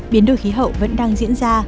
biến đổi khí hậu vẫn đang diễn ra